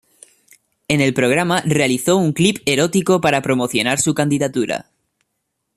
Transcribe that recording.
En el programa realizó un clip erótico para promocionar su candidatura.